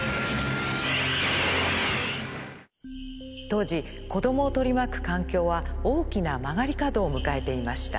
当時子供を取り巻く環境は大きな曲がり角を迎えていました。